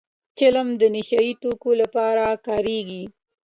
چلم د نشه يي توکو لپاره کارېږي